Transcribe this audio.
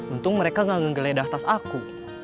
untung mereka gak genggel ngeledah tas aku